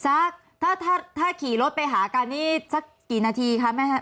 ถ้าถ้าขี่รถไปหากันนี่สักกี่นาทีคะแม่